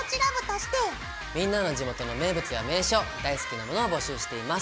みんなの地元の名物や名所大好きなものを募集しています。